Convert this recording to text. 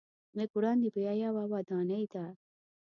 لږ وړاندې بیا یوه ودانۍ ده.